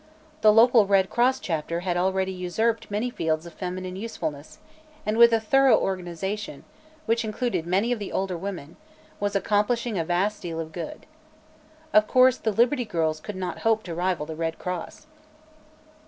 The local Red Cross chapter had already usurped many fields of feminine usefulness and with a thorough organization, which included many of the older women, was accomplishing a 'vast deal of good. Of course the Liberty Girls could not hope to rival the Red Cross.